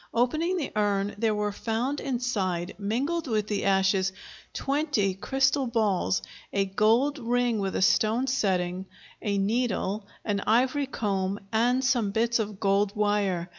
Opening the urn there were found inside, mingled with the ashes, twenty crystal balls, a gold ring with a stone setting, a needle, an ivory comb, and some bits of gold wire.